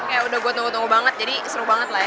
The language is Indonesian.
kayak udah buat nunggu tunggu banget jadi seru banget lah ya